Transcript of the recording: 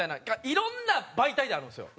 いろんな媒体であるんですよ。